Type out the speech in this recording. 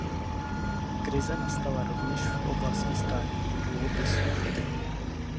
Krize nastala rovněž v oblasti státních dluhopisů.